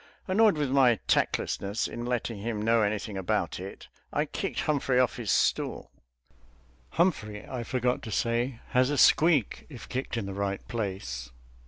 Annoyed with my tactlessness in letting him know anything about it, I kicked Humphrey off his stool. Humphrey, I forgot to say, has a squeak if kicked in the right place.